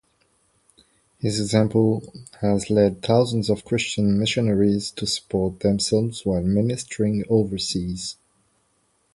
His example has led thousands of Christian missionaries to support themselves while ministering overseas.